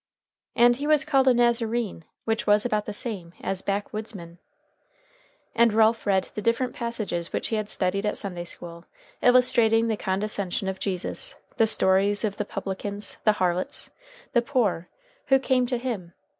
"And he was called a Nazarene, which was about the same as 'backwoodsman.'" And Ralph read the different passages which he had studied at Sunday school, illustrating the condescension of Jesus, the stories of the publicans, the harlots, the poor, who came to him.